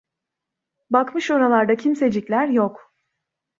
Bakmış oralarda kimsecikler yok…